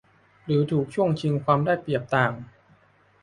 หรือถูกช่วงชิงความได้เปรียบต่าง